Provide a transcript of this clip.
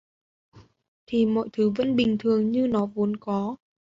Thì mọi thứ vẫn bình thường như nó vốn có